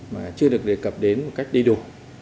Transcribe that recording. mà chưa được đề cập đến một cách đầy đủ